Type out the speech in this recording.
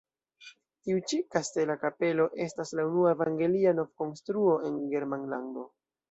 Tiu ĉi kastela kapelo estas la unua evangelia novkonstruo en Germanlando.